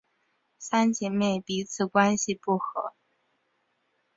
三姐妹彼此关系不和。